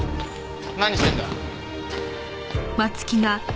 何してるんだ？